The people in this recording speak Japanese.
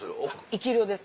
生き霊です